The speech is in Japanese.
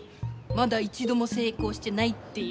まだ一度もせいこうしてないっていう。